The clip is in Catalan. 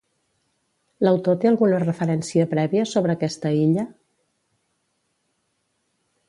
L'autor té alguna referència prèvia sobre aquesta illa?